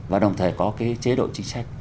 và đồng thời có cái chế độ chính sách